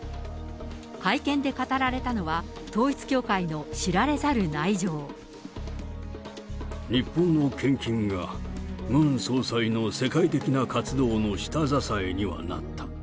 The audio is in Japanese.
会見で語られたのは、日本の献金が、ムン総裁の世界的な活動の下支えにはなった。